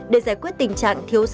để giải quyết các trường hợp cần thiết